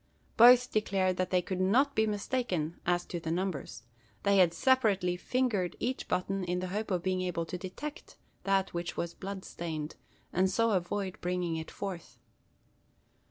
Both declared that they could not be mistaken as to the numbers. They had separately "fingered" each button in the hope of being able to detect that which was bloodstained, and so avoid bringing it forth.